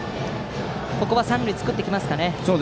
ここは三塁を作ってきますかね。